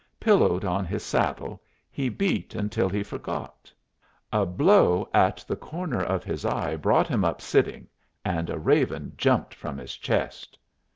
Pillowed on his saddle, he beat until he forgot. A blow at the corner of his eye brought him up sitting, and a raven jumped from his chest.